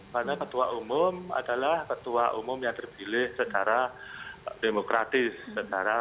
karena ketua umum adalah ketua umum yang terpilih secara demokratis